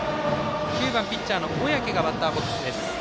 ９番ピッチャーの小宅がバッターボックス。